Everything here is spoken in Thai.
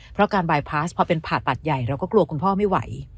เพราะการบายพาสพอเป็นผ่าตัดใหญ่เราก็กลัวคุณพ่อไม่ไหว